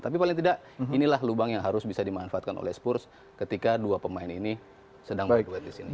tapi paling tidak inilah lubang yang harus bisa dimanfaatkan oleh spurs ketika dua pemain ini sedang berduet di sini